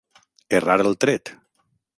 Errar el tret.